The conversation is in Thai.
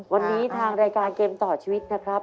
วันนี้ทางรายการเกมต่อชีวิตนะครับ